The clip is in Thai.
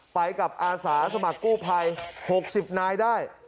ไปกับอาสาสมัครกู้ภัย๖๐นายได้